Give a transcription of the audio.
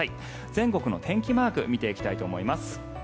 全国の天気マーク見ていきたいと思います。